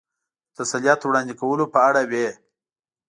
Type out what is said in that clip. د تسلیت وړاندې کولو په اړه وې.